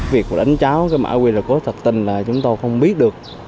việc đánh cháu cái mã qr code thật tình là chúng tôi không biết được